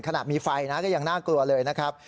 ขณะมีไฟนะก็ยังน่ากลัวเลยนะครับ